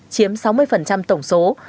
chiếm sáu mươi tổng số